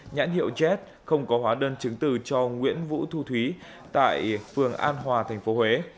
nhãn hiệu jet không có hóa đơn chứng từ cho nguyễn vũ thu thúy tại phường an hòa tp huế